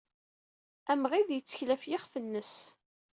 Amɣid yettkel ɣef yixef-nnes.